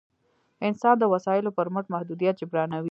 انسان د وسایلو پر مټ محدودیت جبرانوي.